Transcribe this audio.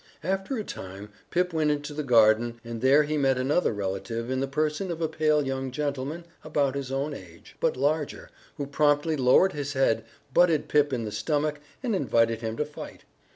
After a time Pip went into the garden and there he met another relative in the person of a pale young gentleman about his own age, but larger, who promptly lowered his head, butted Pip in the stomach and invited him to fight.